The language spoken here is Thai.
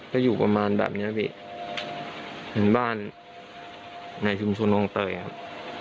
ก็อยู่ประมาณแบบเนี้ยพี่เป็นบ้านในชุมชนน้องเตยครับ